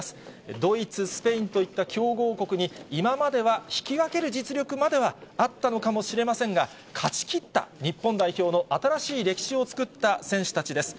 ドイツ、スペインといった強豪国に今までは引き分ける実力まではあったのかもしれませんが、勝ちきった日本代表の新しい歴史を作った選手たちです。